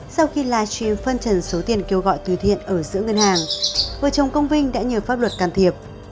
sau khi live stream phân trần số tiền kêu gọi từ thiện ở giữa ngân hàng vợ chồng công vinh đã nhờ pháp luật can thiệp